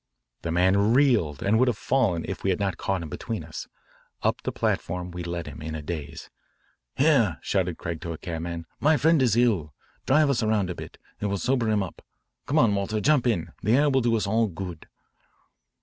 The man reeled and would have fallen if we had not caught him between us. Up the platform we led him in a daze. "Here," shouted Craig to a cabman, "my friend is ill. Drive us around a bit. It will sober him up. Come on, Walter, jump in, the air will do us all good."